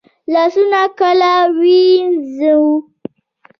لاسونه کله ووینځو؟